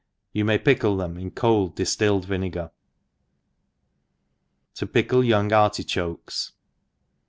Yoa may pickle them in cold diftilled vinegar. ^^ fickle young Artichokes.